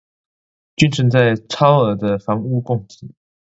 均存在超額的房屋供給